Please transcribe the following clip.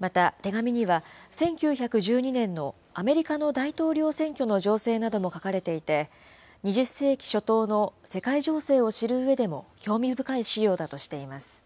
また、手紙には、１９１２年のアメリカの大統領選挙の情勢なども書かれていて、２０世紀初頭の世界情勢を知るうえでも、興味深い史料だとしています。